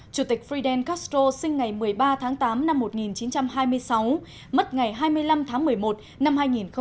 chủ tịch fidel castro sinh ngày một mươi ba tháng tám năm một nghìn chín trăm hai mươi sáu mất ngày hai mươi năm tháng một mươi một năm hai nghìn một mươi bảy